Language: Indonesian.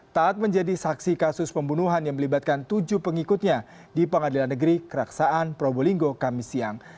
taat menjadi saksi kasus pembunuhan yang melibatkan tujuh pengikutnya di pengadilan negeri keraksaan probolinggo kami siang